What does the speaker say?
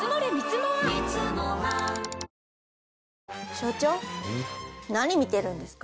所長何見てるんですか？